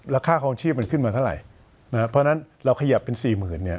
แล้วค่าความชีวิตมันขึ้นมาเท่าไหร่นะครับเพราะฉะนั้นเราขยับเป็นสี่หมื่นเนี้ย